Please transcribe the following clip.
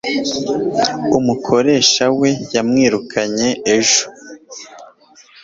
umukoresha we yamwirukanye ejo